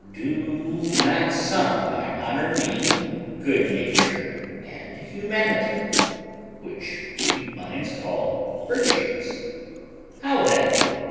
Do not some by honour mean good nature and humanity, which weak minds call virtues? How then!